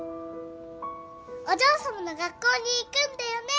お嬢さまの学校に行くんだよね？